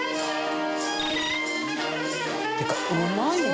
っていうかうまいわ！